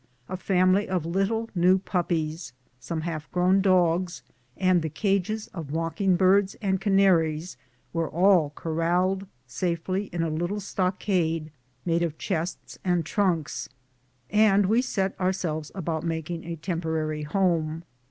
A family of little new puppies, some half grown dogs, the cages of mocking birds and canaries, were all corralled safely in a little stockade made of chests and trunks, and we set ourselves about making a temporary home.